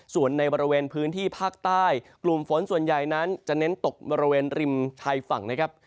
ส่วนในบริเวณพื้นที่ภาคใต้กลุ่มฝนส่วนใหญ่นั้นจะเน้นตกบริเวณริมชายฝั่งนะครับ